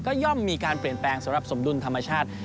ก็ย่อมมีการเปลี่ยนแปลงสำหรับสมดุลธรรมชาติ